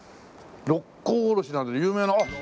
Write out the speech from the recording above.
『六甲おろし』などの有名なあっ